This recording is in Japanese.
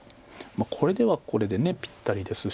これではこれでぴったりですし。